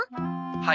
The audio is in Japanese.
はい。